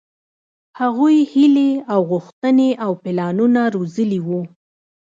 هغوۍ هيلې او غوښتنې او پلانونه روزلي وو.